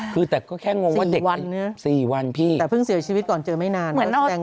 คือแต่ก็แค่งงว่าเด็ก๔วันพี่แต่เพิ่งเสียชีวิตก่อนเจอไม่นาน